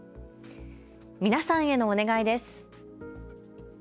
皆さんへのお願いです。